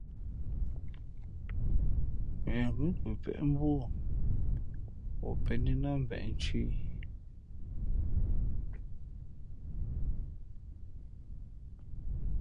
Wen ghʉ̌ pəpéʼ mbú o, o pēn í nά mbeʼ nthʉ̄ ī.